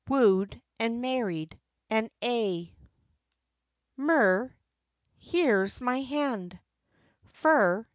"WOOED, AND MARRIED, AND A'." MIR. "Here's my hand." FER.